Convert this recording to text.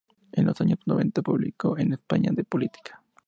En los años noventa publicó en España “De Política.